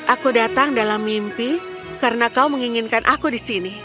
aku datang dalam mimpi karena kau menginginkan aku di sini